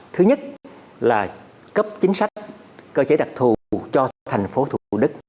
thứ nhất là cấp chính sách cơ chế đặc thù cho thành phố thủ đức